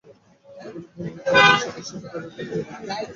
যে-কোন ভঙ্গিতে অনায়াসে বসিয়া থাকা যায়, তাহাই উপযুক্ত আসন।